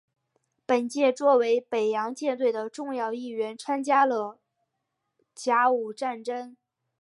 本舰作为北洋舰队的重要一员参加了甲午战争。